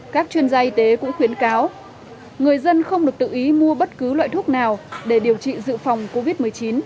các chuyên gia y tế cũng khuyến cáo người dân không được tự ý mua bất cứ loại thuốc nào để điều trị dự phòng covid một mươi chín